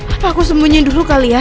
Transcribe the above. apa aku sembunyi dulu kali ya